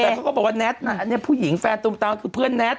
แต่เขาก็บอกว่าแท็ตนะฮะอันนี้ผู้หญิงแฟนตุมตามคือเพื่อนแน็ต